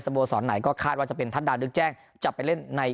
โบสรไหนก็คาดว่าจะเป็นทัศดานึกแจ้งจะไปเล่นใน